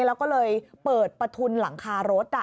แล้วก็เลยเปิดประทุนหลังคารถ